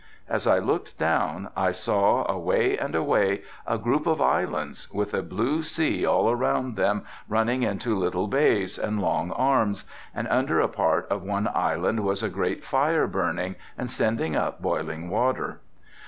As I looked down I saw away and away a group of islands with a blue sea all around them running into little bays and long arms, and under a part of one island was a great fire burning and sending up boiling water.